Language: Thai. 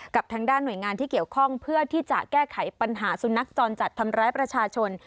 กับทางด้านหน่วยงานที่เกี่ยวข้องเพื่อที่จะแก้ไขปัญหาสุนัขจรจัดทำร้ายประชาชน